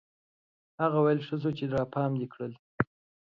هغه ويل ښه سو چې راپام دي کړ.